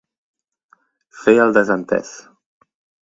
Fer el desentès.